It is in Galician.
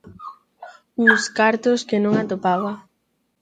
Uns cartos que non atopaba.